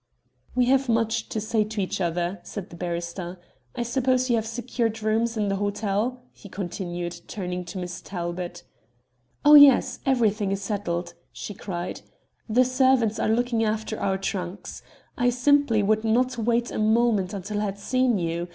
"We have much to say to each other," said the barrister. "I suppose you have secured rooms in the hotel?" he continued, turning to Miss Talbot. "Oh, yes, everything is settled," she cried. "The servants are looking after our trunks. I simply would not wait a moment until I had seen you.